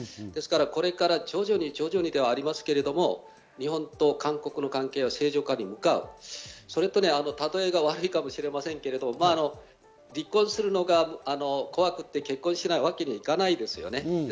これから徐々にではありますけれども、日本と韓国の関係は正常化に向かうそれと例えが悪いかもしれませんが、離婚するのが怖くて結婚しないわけにいかないですよね。